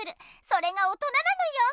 それが大人なのよ。